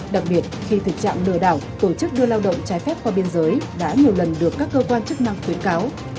đặc biệt khi thực trạng lừa đảo tổ chức đưa lao động trái phép qua biên giới đã nhiều lần được các cơ quan chức năng khuyến cáo